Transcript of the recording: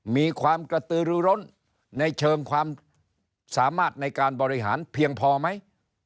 มีความกระตือรือร้นในเชิงความสามารถในการบริหารเพียงพอไหม